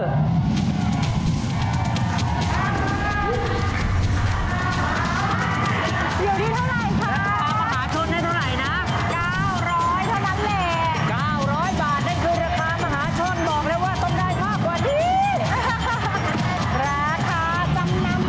อยู่ที่เท่าไหร่คะ